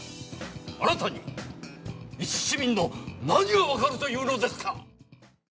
あなたに一市民の何が分かるというのですか。